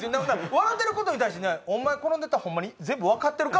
笑うてることに対して「お前このネタホンマに全部分かってるか？」